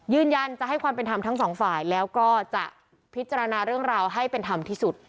ยืนยันจะให้ความเป็นธรรมทั้งสองฝ่ายแล้วก็จะพิจารณาเรื่องราวให้เป็นธรรมที่สุด